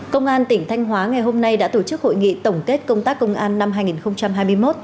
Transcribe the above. công an tỉnh thanh hóa ngày hôm nay đã tổ chức hội nghị tổng kết công tác công an năm hai nghìn hai mươi một